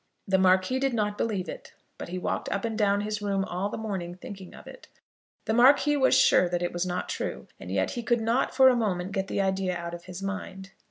The Marquis did not believe it; but he walked up and down his room all the morning thinking of it. The Marquis was sure that it was not true, and yet he could not for a moment get the idea out of his mind.